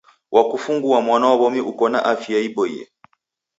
Wakufungua mwana wa w'omi uko na afya iboie.